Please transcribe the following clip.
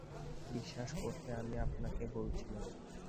বিশ্বাস করতে আমি আপনাকে বলছি না।